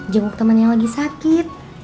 jenguk temannya lagi sakit